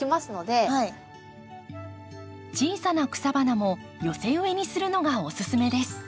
小さな草花も寄せ植えにするのがおすすめです。